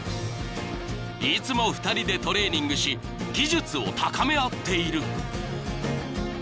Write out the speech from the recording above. ［いつも２人でトレーニングし技術を高め合っている］